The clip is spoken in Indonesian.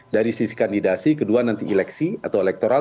dari sisi kandidasi kedua nanti eleksi atau elektoral